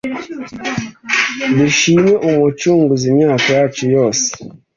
Dushime uwo mucunguzi imyaka yacu yose